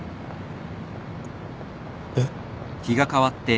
えっ？